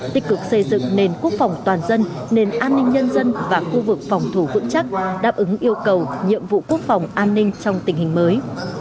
tích cực xây dựng nền quốc phòng toàn dân nền an ninh nhân dân và khu vực phòng thủ vững chắc đáp ứng yêu cầu nhiệm vụ quốc phòng an ninh trong tình hình mới